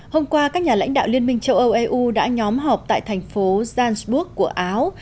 hôm qua các nhà lãnh đạo liên minh châu âu eu đã nhóm họp tại thành phố zansburg của áo